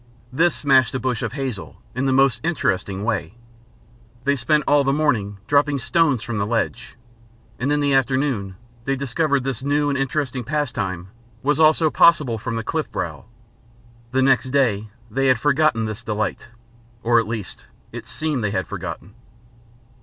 This smashed a bush of hazel in the most interesting way. They spent all the morning dropping stones from the ledge, and in the afternoon they discovered this new and interesting pastime was also possible from the cliffbrow. The next day they had forgotten this delight. Or at least, it seemed they had forgotten.